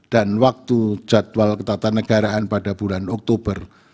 dan waktu jadwal ketatanegaraan pada bulan oktober